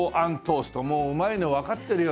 もううまいのわかってるよね。